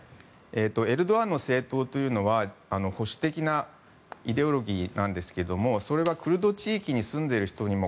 エルドアンの政党というのは保守的なイデオロギーなんですがそれはクルド地域に住んでいる人にも